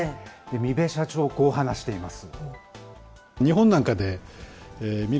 三部社長、こう話しています。